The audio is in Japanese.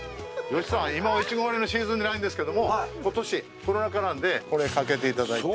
吉さん、今、イチゴ狩りのシーズンじゃないんですけども、ことし、コロナ禍なんでこれ、かけていただいて。